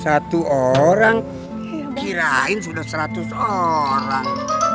satu orang kirain sudah seratus orang